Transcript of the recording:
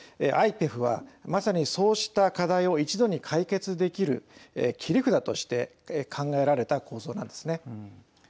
ＩＰＥＦはまさに、そうした課題を一度に解決できる切り札として考えられた構想なんですね。